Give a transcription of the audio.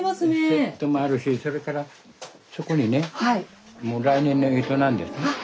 セットもあるしそれからそこにねもう来年の干支なんですね。